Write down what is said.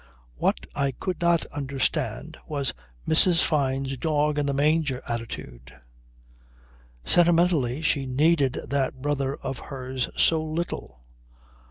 What I could not understand was Mrs. Fyne's dog in the manger attitude. Sentimentally she needed that brother of hers so little!